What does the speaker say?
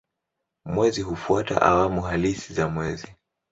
Mwezi hufuata awamu halisi za mwezi.